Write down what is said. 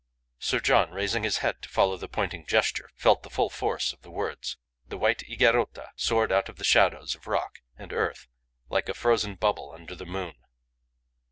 Sir John, raising his head to follow the pointing gesture, felt the full force of the words. The white Higuerota soared out of the shadows of rock and earth like a frozen bubble under the moon.